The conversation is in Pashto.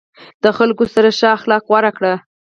د خلکو سره ښه اخلاق غوره کړه.